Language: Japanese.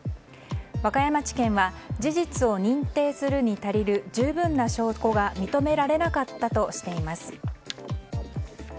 和歌山地検は事実を認定するに足りる十分な証拠が認められなかったとしています。